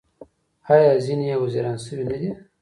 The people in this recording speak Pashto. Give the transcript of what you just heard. آیا ځینې یې وزیران شوي نه دي؟